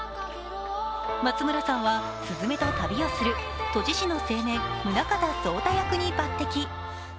松村さんは鈴芽と旅をする閉じ師の青年、宗像草太役に抜てき。